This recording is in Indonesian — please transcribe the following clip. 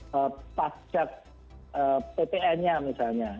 pemerintah harus mengurangi pajak ppn nya misalnya